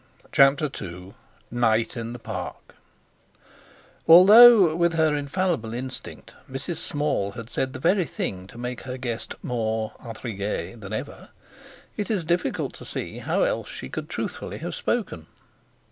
CHAPTER II NIGHT IN THE PARK Although with her infallible instinct Mrs. Small had said the very thing to make her guest "more intriguee than ever," it is difficult to see how else she could truthfully have spoken.